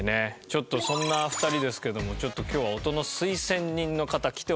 ちょっとそんな２人ですけども今日は音の推薦人の方来ております。